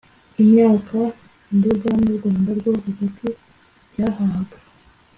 imyaka nduga n u rwanda rwo hagati byahahaga